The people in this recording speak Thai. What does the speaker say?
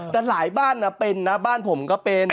แต่หลายบ้านเป็นนะบ้านผมก็เป็น